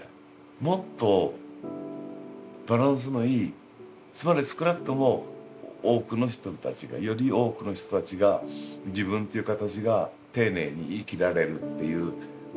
もっとバランスのいいつまり少なくともより多くの人たちが自分っていう形が丁寧に生きられるっていう。